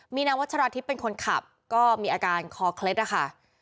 มีนางวัชราธิบเป็นคนขับก็มีอาการคอเคล็ดนะคะ